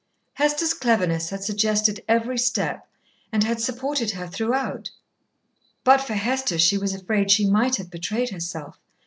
Hester's cleverness had suggested every step and had supported her throughout. But for Hester she was afraid she might have betrayed herself.